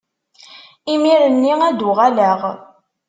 Imir-nni ad d-uɣaleɣ.